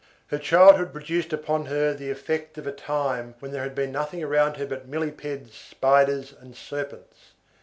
Her childhood produced upon her the effect of a time when there had been nothing around her but millepeds, spiders, and serpents.